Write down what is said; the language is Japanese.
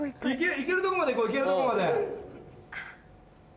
行けるとこまで行こう行けるとこまで。